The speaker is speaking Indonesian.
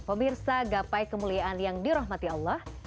pemirsa gapai kemuliaan yang dirahmati allah